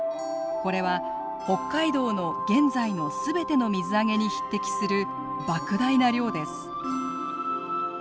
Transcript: これは北海道の現在の全ての水揚げに匹敵するばく大な量です。